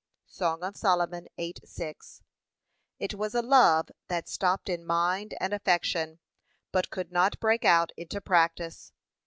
(Song 8:6) It was a love that stopped in mind and affection, but could not break out into practice.